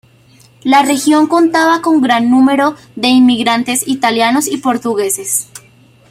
La región contaba con gran número de inmigrantes italianos y portugueses.